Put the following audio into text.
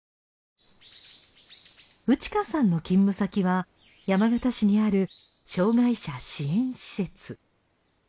ウチカさんの勤務先は山形市にある障がい者支援施設。